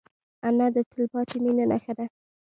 انا د تلپاتې مینې نښه ده